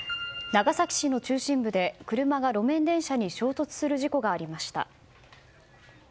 長崎市の中心部で車が路面電車に衝突する事故がありました。